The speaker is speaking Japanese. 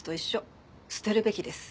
捨てるべきです